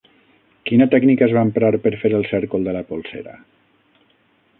Quina tècnica es va emprar per fer el cèrcol de la polsera?